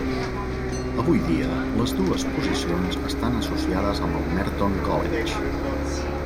Avui dia les dues posicions estan associades amb el Merton College.